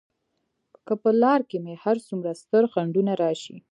که په لار کې مې هر څومره ستر خنډونه راشي.